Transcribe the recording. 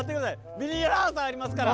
ビニールハウスありますから！